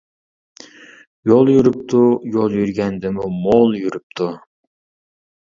يول يۈرۈپتۇ، يول يۈرگەندىمۇ مول يۈرۈپتۇ.